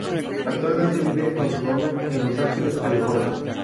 Actualmente vive con su novio en Los Ángeles, California.